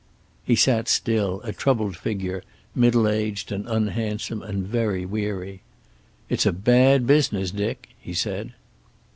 He sat still, a troubled figure, middle aged and unhandsome, and very weary. "It's a bad business, Dick," he said.